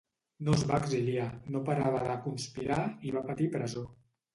No es va exiliar, no parava de conspirar i va patir presó.